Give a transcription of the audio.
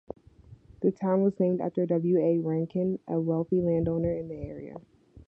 This town was named after W. A. Rankin, a wealthy landowner in the area.